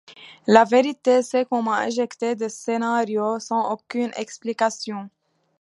La vérité, c'est qu'on m'a éjectée des scénarios sans aucune explication.